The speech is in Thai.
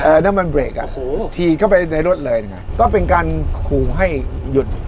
แล้วมันเบรกอ่ะโอ้โหฉีดเข้าไปในรถเลยนะฮะก็เป็นการขู่ให้หยุด